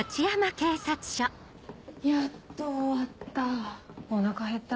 やっと終わった。